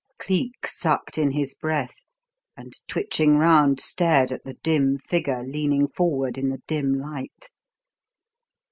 Cleek sucked in his breath and, twitching round, stared at the dim figure leaning forward in the dim light.